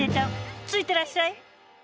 ついてらっしゃい！